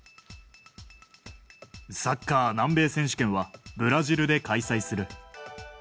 サッカー南米選手権は、ブラジルで開催する。